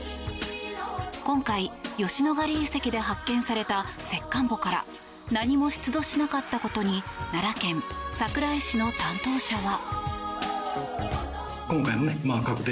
今回、吉野ヶ里遺跡で発見された石棺墓から何も出土しなかったことに奈良県桜井市の担当者は。